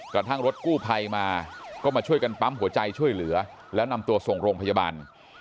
กระทั่งรถกู้ภัยมาก็มาช่วยกันปั๊มหัวใจช่วยเหลือแล้วนำตัวส่งโรงพยาบาล